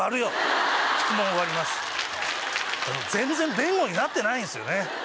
全然弁護になってないんすよね。